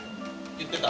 言ってた。